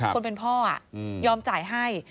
คนเป็นพ่อยอมจ่ายให้